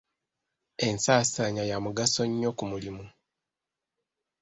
Ensaasaanya ya mugaso nnyo ku mulimu.